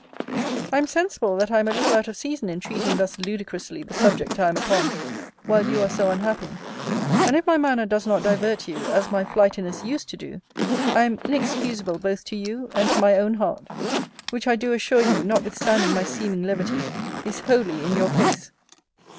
I am sensible that I am a little out of season in treating thus ludicrously the subject I am upon, while you are so unhappy; and if my manner does not divert you, as my flightiness used to do, I am inexcusable both to you, and to my own heart: which, I do assure you, notwithstanding my seeming levity, is wholly in your case.